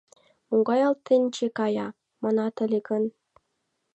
«Могай алтенче кая?» манат ыле гын